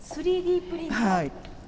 ３Ｄプリンター。